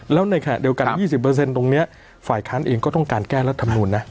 แล้วในขณะเดียวกัน๒๐ตรงนี้ฝ่ายค้านเองก็ต้องการแก้รัฐมนูลนะ